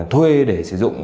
thuê để sử dụng